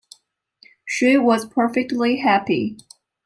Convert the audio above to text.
She was perfectly happy.